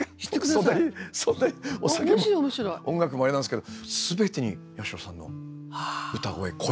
音楽もあれなんですけどすべてに八代さんの歌声声は。